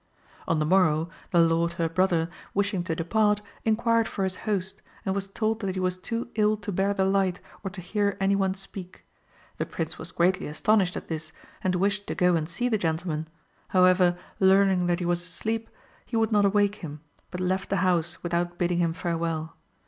On the morrow, the lord, her brother, wishing to depart, inquired for his host, and was told that he was too ill to bear the light or to hear any one speak. The Prince was greatly astonished at this, and wished to go and see the gentleman; however, learning that he was asleep, he would not awake him, but left the house without bidding him farewell.